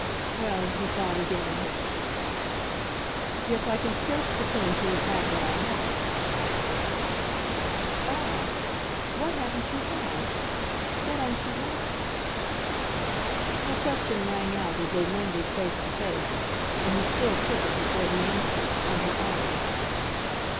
Well, he thought again. "Yet I can scarce pretend to have had what I haven't." "Ah, WHAT haven't you had? what aren't you having?" Her question rang out as they lingered face to face, and he still took it, before he answered, from her eyes.